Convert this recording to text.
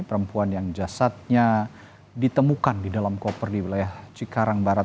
perempuan yang jasadnya ditemukan di dalam koper di wilayah cikarang barat